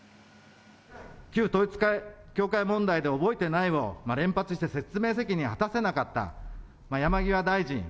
旧統一教会問題で覚えてないを連発して説明責任果たせなかった、山際大臣。